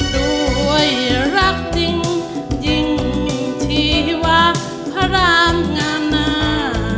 โดยรักจริงจริงชีวาพระรามงานา